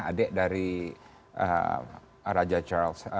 adik dari raja charles